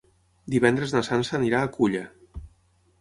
Divendres na Sança anirà a Culla.